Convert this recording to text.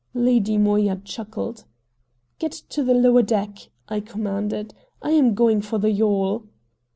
Lady Moya chuckled. "Get to the lower deck!" I commanded. "I am going for the yawl."